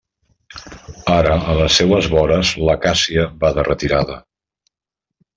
Ara a les seues vores l'acàcia va de retirada.